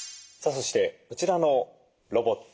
そしてこちらのロボット